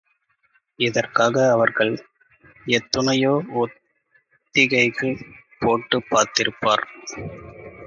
இதற்காக அவர்கள் எத்துணையோ ஒத்திகைகள் போட்டுப் பார்த்திருப்பர்.